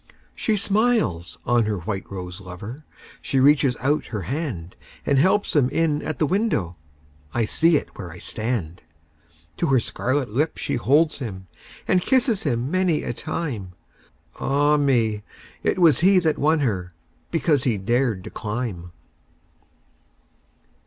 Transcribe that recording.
She smiles on her white rose lover, She reaches out her handAnd helps him in at the window—I see it where I stand! To her scarlet lip she holds him, And kisses him many a time—Ah, me! it was he that won herBecause he dared to climb!